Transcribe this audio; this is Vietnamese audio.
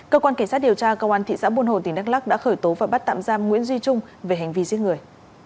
cơ quan cảnh sát điều tra cơ quan thị giãn buồn hồ tỉnh đắk lắc đã khởi tố và bắt tạm giam nguyễn duy trung về hành vi giết người